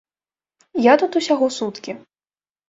Я тут усяго суткі.